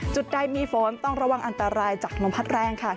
จุดใดมีฝนต้องระวังอันตรายจากลมพัดแรงค่ะ